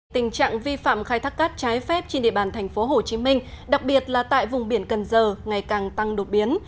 tình trạng vi phạm khai thác cát trái phép trên địa bàn thành phố hồ chí minh đặc biệt là tại vùng biển cần giờ ngày càng tăng đột biến